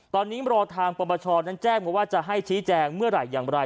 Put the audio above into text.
ตอนนี้รอทางปรปชนั้นแจ้งมาว่าจะให้ชี้แจงเมื่อไหร่อย่างไร